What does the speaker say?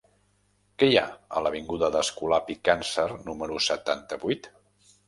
Què hi ha a l'avinguda d'Escolapi Càncer número setanta-vuit?